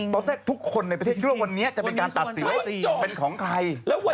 ตอนแรกทุกคนในประเทศจิริงวันนี้จะเป็นการตัดสี่แล้ว